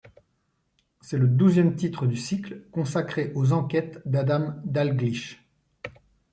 C'est le douzième titre du cycle consacré aux enquêtes d'Adam Dalgliesh.